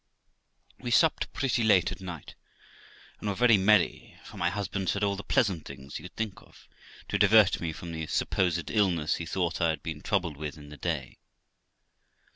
We supped pretty late at night, and were very merry, for my husband said all the pleasant things he could think of, to divert me from the sup >sed illness he thought I had been troubled with in the day.